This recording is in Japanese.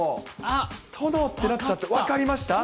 殿ってなっちゃって、分かりました？